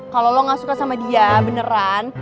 kalau lo gak suka sama dia beneran